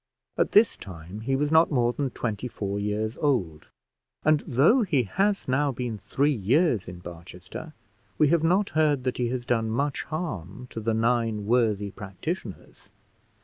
At this time he was not more than twenty four years old; and though he has now been three years in Barchester, we have not heard that he has done much harm to the nine worthy practitioners.